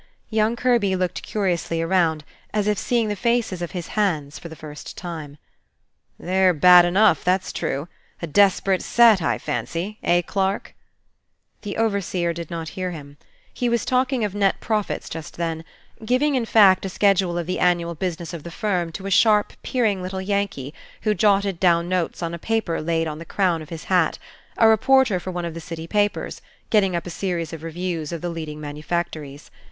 Young Kirby looked curiously around, as if seeing the faces of his hands for the first time. "They're bad enough, that's true. A desperate set, I fancy. Eh, Clarke?" The overseer did not hear him. He was talking of net profits just then, giving, in fact, a schedule of the annual business of the firm to a sharp peering little Yankee, who jotted down notes on a paper laid on the crown of his hat: a reporter for one of the city papers, getting up a series of reviews of the leading manufactories.